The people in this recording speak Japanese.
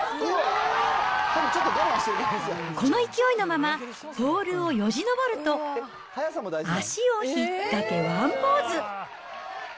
この勢いのまま、ポールをよじ登ると、足を引っ掛け、ワンポーズ。